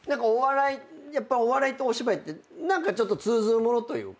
やっぱお笑いとお芝居って何かちょっと通ずるものというか。